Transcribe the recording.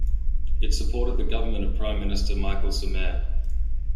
It supported the government of Prime Minister Michael Somare.